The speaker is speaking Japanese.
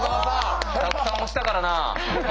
たくさん押したからなあ。